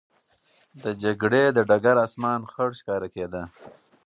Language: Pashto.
د جګړې د ډګر آسمان خړ ښکاره کېده.